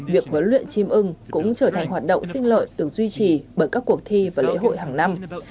việc huấn luyện chim ưng cũng trở thành hoạt động sinh lợi được duy trì bởi các cuộc thi và lễ hội hàng năm